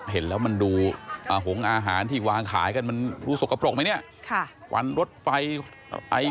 เห็นแล้วมันดูหงอาหารที่วางขายกันมันรู้สกปรกไหมเนี่ย